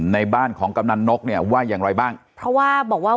ในบ้านของกำนันนกเนี่ยว่าอย่างไรบ้างเพราะว่าบอกว่า